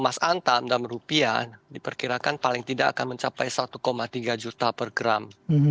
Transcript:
emas antam dalam rupiah diperkirakan paling tidak akan mencapai satu tiga juta per gram